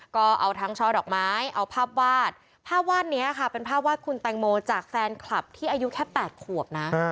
ก็เอาทั้งช่อดอกไม้เอาภาพวาดภาพวาดนี้ค่ะเป็นภาพวาดคุณแตงโมจากแฟนคลับที่อายุแค่๘ขวบนะ